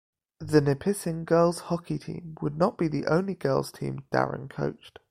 The Nipissing girls' hockey team would not be the only girls' team Darren coached.